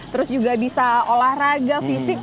terus juga bisa olahraga fisik